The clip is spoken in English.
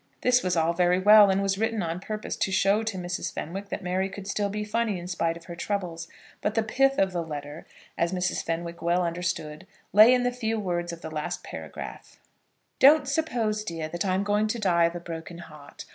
This was all very well, and was written on purpose to show to Mrs. Fenwick that Mary could still be funny in spite of her troubles; but the pith of the letter, as Mrs. Fenwick well understood, lay in the few words of the last paragraph. "Don't suppose, dear, that I am going to die of a broken heart.